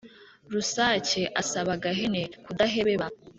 rusake asaba gahene kudahebeba